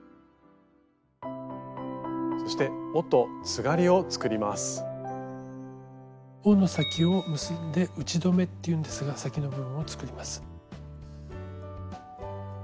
そして緒の先を結んで「打留」っていうんですが先の部分を作ります。